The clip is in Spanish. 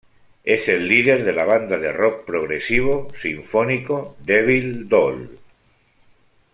Es el líder de la banda de rock progresivo, sinfónico Devil Doll.